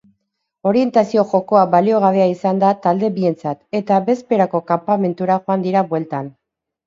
Orientazio jokoa baliogabea izan da talde bientzat eta bezperako kanpamentura joan dira bueltan.